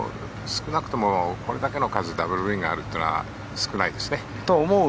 少なくともこれだけの数ダブルグリーンがあるというのはと思う。